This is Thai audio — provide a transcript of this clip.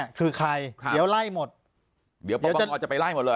ปากกับภาคภูมิ